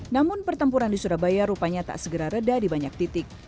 namun pertempuran di surabaya rupanya tak segera reda di banyak titik